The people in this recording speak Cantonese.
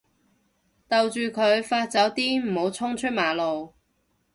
逗住佢發酒癲唔好衝出馬路